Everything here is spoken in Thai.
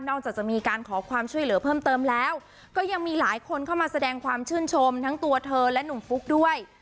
จากจะมีการขอความช่วยเหลือเพิ่มเติมแล้วก็ยังมีหลายคนเข้ามาแสดงความชื่นชมทั้งตัวเธอและหนุ่มฟุ๊กด้วย